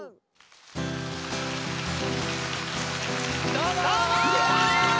どうも！